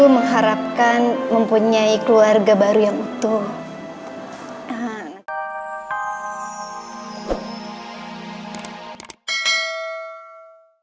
mengharapkan mempunyai keluarga baru yang utuh